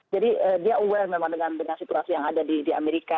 jadi dia aware memang dengan situasi yang ada di amerika